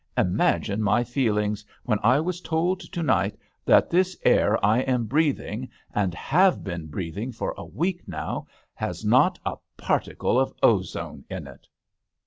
Imagine my feelings when I was told to night that this air I am breathing, and have been breathing for a week now, has not a particle of ozone in it